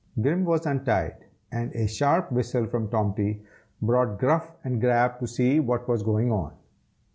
Grim was untied, and a sharp whistle from Tomty brought Gruff and Grab to see what was going on.